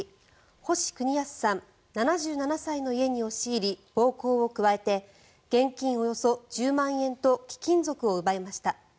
星邦康さん、７７歳の家に押し入り、暴行を加えて現金およそ１０万円と貴金属を奪いました。